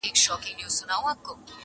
ویل قیامت یې ویل محشر یې،